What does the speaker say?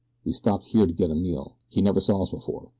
"We stopped here to get a meal. He never saw us before.